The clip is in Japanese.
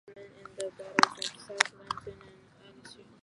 何をしたらいいのかわかりません